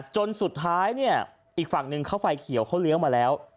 จนสุดท้ายเนี่ยอีกฝั่งหนึ่งเขาไฟเขียวเขาเลี้ยวมาแล้ว